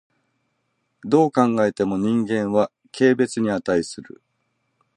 どう考えても人間は軽蔑に価する。